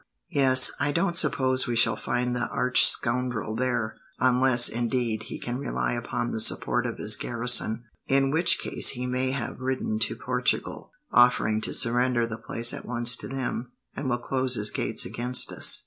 "Yes; I don't suppose we shall find the arch scoundrel there, unless, indeed, he can rely upon the support of his garrison; in which case he may have ridden to Portugal, offering to surrender the place at once to them, and will close his gates against us."